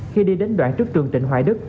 khi đi đến đoạn trước trường trịnh hoài đức